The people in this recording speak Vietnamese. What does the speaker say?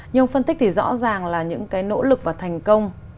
nhưng phân tích thì rõ ràng là những cái nỗ lực và thành công